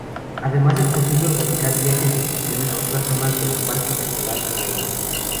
Además es posible organizar viajes y excursiones a otras zonas del Parque nacional Canaima.